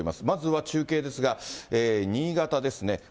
まずは中継ですが、新潟ですね。